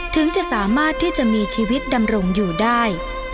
ถึงจะสามารถที่จะมีชีวิตดำรงอยู่ได้